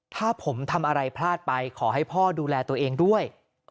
ถ้าผมทำอะไรพลาดไปขอให้พ่อดูแลตัวเองด้วย